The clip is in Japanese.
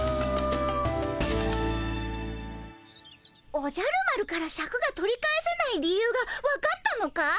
おじゃる丸からシャクが取り返せない理由がわかったのかい？